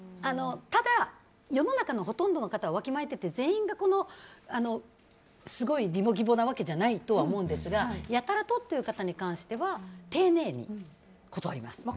ただ、世の中のほとんどの方はわきまえていて、全員がすごいリモ義母なわけじゃないと思うんですがやたらという方に関しては丁寧に断ります。